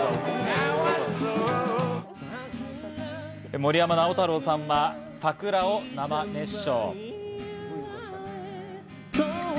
森山直太朗さんは『さくら』を生熱唱。